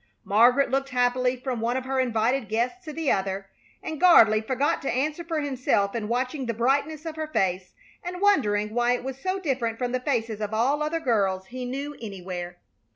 Margaret looked happily from one of her invited guests to the other, and Gardley forgot to answer for himself in watching the brightness of her face, and wondering why it was so different from the faces of all other girls he knew anywhere.